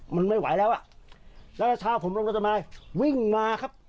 มันไม่ไหวแล้วอ่ะแล้วเช้าผมลงรถมาวิ่งมาครับ